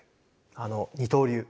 あの二刀流